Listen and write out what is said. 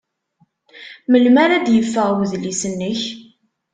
Melmi ara d-yeffeɣ udlis-nnek?